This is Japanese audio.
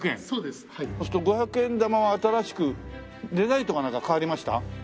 そうすると５００円玉は新しくデザインとかなんか変わりました？